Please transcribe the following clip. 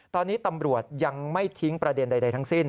ตอนนี้ตำรวจยังไม่ทิ้งประเด็นใดทั้งสิ้น